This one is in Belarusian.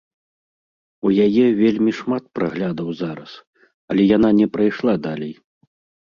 У яе вельмі шмат праглядаў зараз, але яна не прайшла далей.